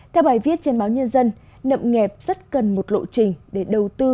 theo bài viết trên báo nhân dân nậm nghẹp rất cần một lộ trình để đầu tư